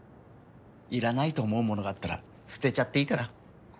いらないと思うものがあったら捨てちゃっていいから。